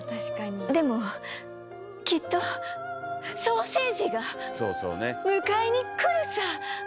でもきっとソーセージが迎えに来るさ！